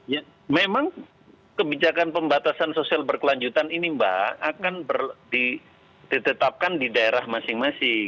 ya memang kebijakan pembatasan sosial berkelanjutan ini mbak akan ditetapkan di daerah masing masing